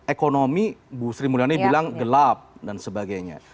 ekonomi bu sri mulyani bilang gelap dan sebagainya